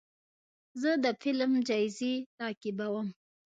زه د فلم جایزې تعقیبوم.